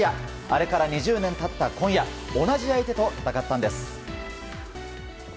あれから２０年経った今夜同じ相手と戦ったんです。